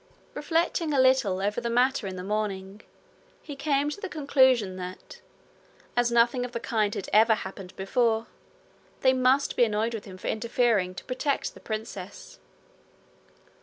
Reflecting a little over the matter in the morning, he came to the conclusion that, as nothing of the kind had ever happened before, they must be annoyed with him for interfering to protect the princess.